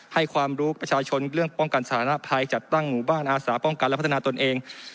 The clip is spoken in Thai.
ให้ความรู้ประชาชนเรื่องป้องกันสถานภัยจัดตั้งหมู่บ้านอาสาป้องกันและพัฒนาตนเอง